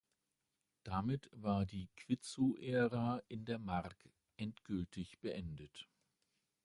Damit war die Quitzow-Ära in der Mark endgültig beendet.